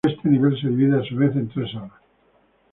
Este nivel se divide, a su vez, en tres salas.